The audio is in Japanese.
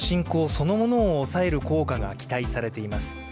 そのものを抑える効果が期待されています。